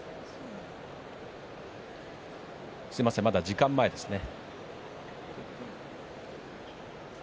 すみません、まだ時間前ですね。